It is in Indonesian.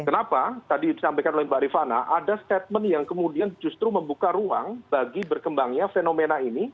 kenapa tadi disampaikan oleh mbak rifana ada statement yang kemudian justru membuka ruang bagi berkembangnya fenomena ini